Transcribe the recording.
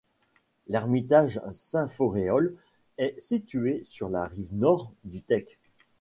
L'ermitage Saint-Ferréol est situé sur la rive nord du Tech.